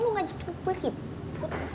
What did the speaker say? lo ngajakin gue ribut